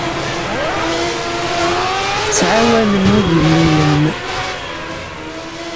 Tettɛawanem igellilen.